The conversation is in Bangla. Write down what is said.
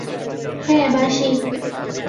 হ্যাঁ, বাসি।